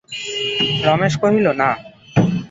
রমেশ কহিল, না।